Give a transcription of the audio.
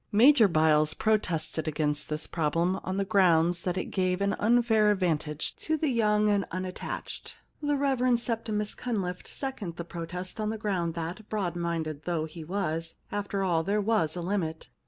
* Major Byles protested against this problem on the ground that it gave an unfair advan tage to the young and unattached. The Rev. Septimus Cunliffe seconded the protest on the ground that, broad minded though he was, after all there was a limit.